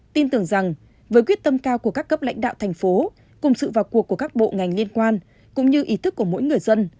tin tưởng rằng với quyết tâm cao của các cấp lãnh đạo thành phố cùng sự vào cuộc của các bộ ngành liên quan cũng như ý thức của mỗi người dân